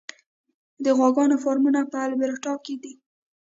د غواګانو فارمونه په البرټا کې دي.